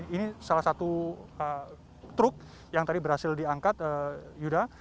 ini salah satu truk yang tadi berhasil diangkat yuda